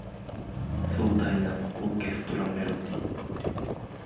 壮大なオーケストラメロディ